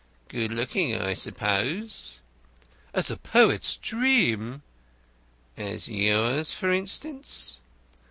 "Good looking, I suppose?" "As a poet's dream." "As yours, for instance?"